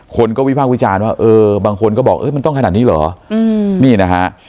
คนก็วิภาควิจารณ์ว่าเออบางคนก็บอกมันต้องขนาดนี้เหรอ